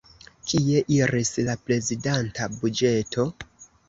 Kie iris la prezidanta buĝeto?